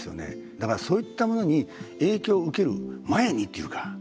だからそういったものに影響を受ける前にというか。